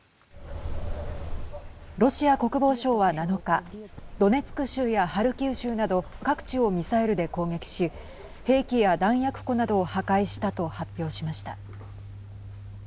ロシア国防省は７日ドネツク州やハルキウ州など各地をミサイルで攻撃し兵器や弾薬庫などを破壊したと発表しました。